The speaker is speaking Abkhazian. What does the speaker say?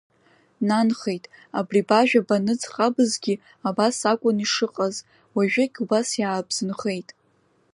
Нанхеит, абри бажәа баныӡӷабызгьы абас акәын ишыҟаз, уажәыгь убас иаабзынхеит.